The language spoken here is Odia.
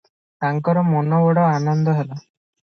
ତାଙ୍କର ମନ ବଡ଼ ଆନନ୍ଦ ହେଲା ।